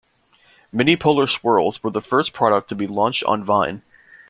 Mini Polar Swirls were the first product to be launched on Vine.